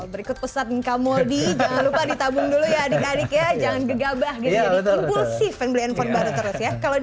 berikut pesan mouldie jangan lupa ditabung dulu ya adik adik ya jangan gegabah gitu